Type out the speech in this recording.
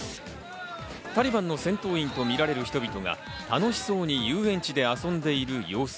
タリバンの戦闘員とみられる人々が楽しそうに遊園地で遊んでいる様子。